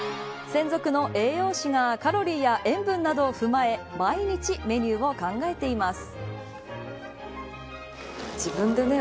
専属の栄養士がカロリーや塩分などを踏まえ毎日メニューを考えています。